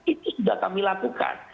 itu sudah kami lakukan